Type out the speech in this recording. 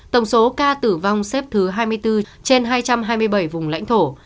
tổng số ca tử vong xếp thứ hai mươi bốn trên hai trăm hai mươi bảy vùng lãnh thổ